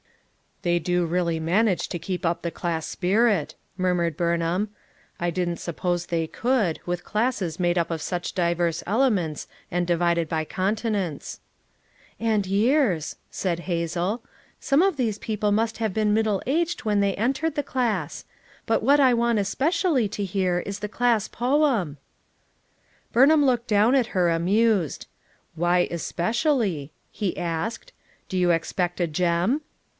"They do really manage to keep up the class spirit, " murmured Burnham. "I didn't sup pose they could, with classes made up of such diverse elements and divided by continents." "And years/ 5 said Hazel. "Some of these people must have been middle aged when they FOUR MOTHERS AT CHAUTAUQUA 401 entered the class. But what I want especially to hear is the class poem." Burnham looked down on her, amused. "Why especially?" he asked. "Do you ex pect a gem?"